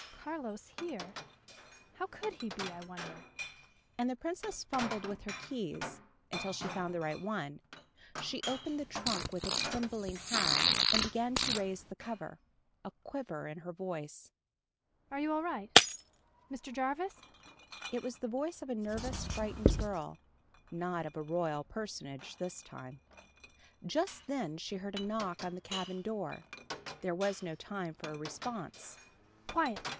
"Carlos here? How could he be, I wonder?" and the Princess fumbled with her keys, until she found the right one. She opened the trunk with a trembling hand, and began to raise the cover, a quiver in her voice. "Are you all right ... Mr. Jarvis?" It was the voice of a nervous, frightened girl not of a royal personage this time. Just then she heard a knock on the cabin door. There was no time for a response. "Quiet!